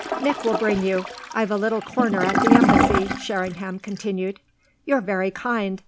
"Nick will bring you. I've a little corner at the embassy," Sherringham continued. "You're very kind.